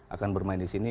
akan bermain disini